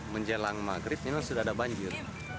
menjelang maghrib memang sudah ada banjir